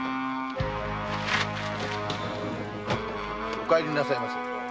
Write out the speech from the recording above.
お帰りなさいませ。